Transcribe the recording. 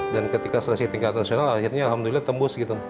dan ketika seleksi tingkat nasional akhirnya alhamdulillah tembus gitu